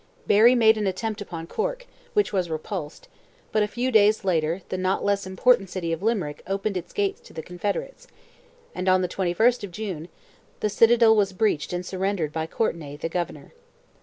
Barry made an attempt upon Cork, which was repulsed, but a few days later the not less important city of Limerick opened its gates to the Confederates, and on the 21st of June the citadel was breached and surrendered by Courtenay, the Governor.